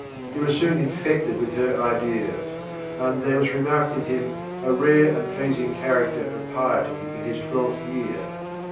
He was soon infected with her ideas, and "there was remarked in him a rare and pleasing character of piety in his twelfth year."